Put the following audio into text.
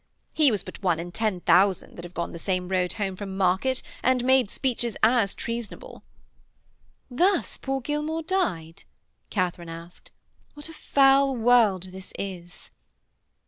He was but one in ten thousand that have gone the same road home from market and made speeches as treasonable.' 'Thus poor Gilmaw died?' Katharine asked. 'What a foul world this is!'